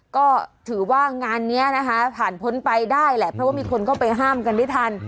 ก็ถือว่างานนี้นะคะผ่านพ้นไปได้แหละเพราะว่ามีคนเข้าไปห้ามกันได้ทัน